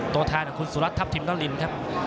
ตัวแทนคุณสุรัทธ์ทัพทิมนฤนธ์ครับ